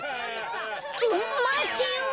まってよ。